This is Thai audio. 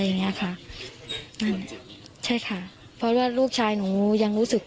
อายุ๑๐ปีนะฮะเขาบอกว่าเขาก็เห็นถูกยิงนะครับ